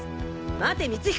待て光彦！